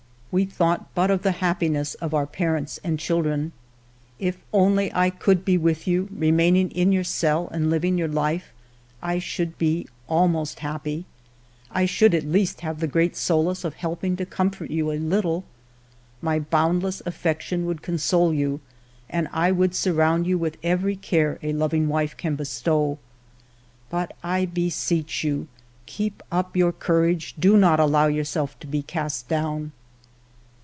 We thought but of the happiness of our parents and children. If only I could be with you, remaining in your cell and living your life, I should be almost happy. I should at least have the great solace of helping to comfort you a little. My boundless affection would console you, and I would surround you with every care a loving wife can bestow. But I beseech you, keep up your courage ; do not allow yourself to be cast down."